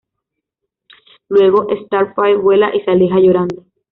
Luego, Starfire vuela y se aleja llorando.